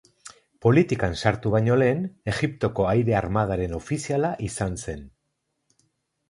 Politikan sartu baino lehen, Egiptoko Aire-Armadaren ofiziala izan zen.